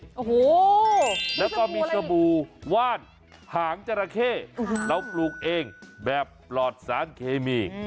โอ้โหแล้วก็มีสบู่ว่านหางจราเข้เราปลูกเองแบบปลอดสารเคมี